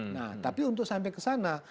nah tapi untuk sampai ke sana